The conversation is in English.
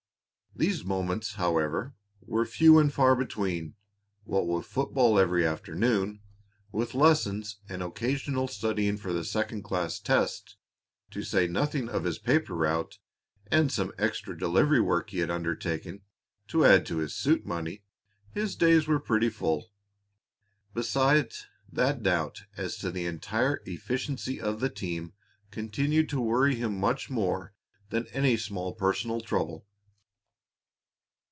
These moments, however, were few and far between. What with football every afternoon, with lessons and occasional studying for the second class tests, to say nothing of his paper route and some extra delivery work he had undertaken to add to his "suit" money, his days were pretty full. Besides, that doubt as to the entire efficiency of the team continued to worry him much more than any small personal trouble.